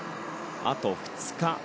あと２日。